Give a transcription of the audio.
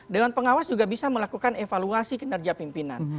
dewan pengawas juga bisa melakukan evaluasi kinerja pimpinan